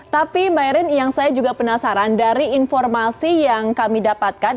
tapi mbak erin yang saya juga penasaran dari informasi yang kami dapatkan